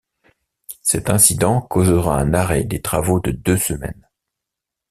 Cet incident causera un arrêt des travaux de deux semaines.